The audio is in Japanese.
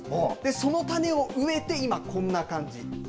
その種を植えて、今、こんな感じ。